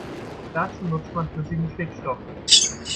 Dazu nutzt man flüssigen Stickstoff.